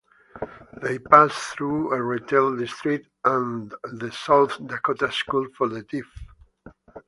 They pass through a retail district and the South Dakota School for the Deaf.